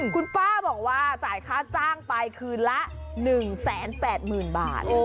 คุณป้าบอกว่าจ่ายค่าจ้างไปคืนละ๑๘๐๐๐บาท